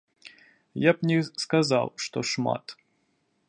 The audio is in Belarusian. Я б не сказаў, што шмат.